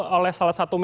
oleh salah satu medis